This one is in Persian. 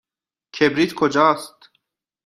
کبریت کجاست؟